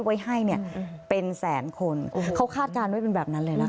ไว้ให้เนี่ยเป็นแสนคนเขาคาดการณ์ไว้เป็นแบบนั้นเลยนะคะ